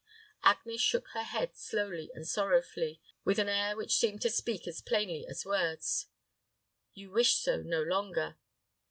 Agnes shook her head slowly and sorrowfully, with an air which seemed to speak as plainly as words, "You wish so no longer."